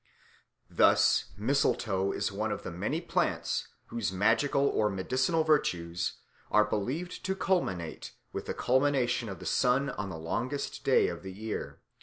Thus mistletoe is one of the many plants whose magical or medicinal virtues are believed to culminate with the culmination of the sun on the longest day of the year.